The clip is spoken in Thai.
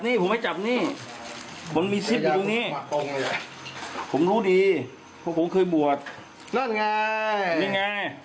น้ำแข็ง